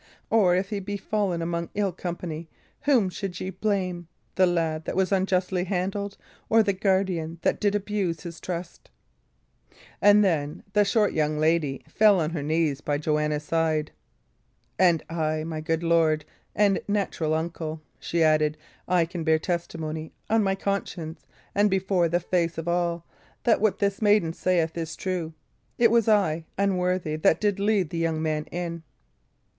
Or if he be fallen among ill company, whom should ye blame the lad that was unjustly handled, or the guardian that did abuse his trust?" And then the short young lady fell on her knees by Joanna's side. "And I, my good lord and natural uncle," she added, "I can bear testimony, on my conscience and before the face of all, that what this maiden saith is true. It was I, unworthy, that did lead the young man in."